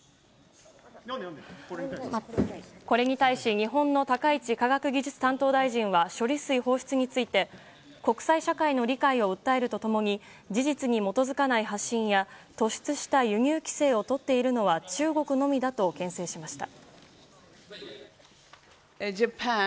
これに対し日本の高市科学技術担当大臣は処理水放出について国際社会の理解を訴えると共に事実に基づかない発信や突出した輸入規制をとっているのは中国のみだと牽制しました。